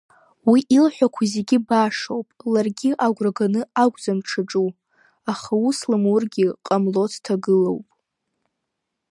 Уи илҳәақәо зегьы башоуп, ларгьы агәра ганы акәӡам дшаҿу, аха ус лымургьы ҟамло дҭагылоуп.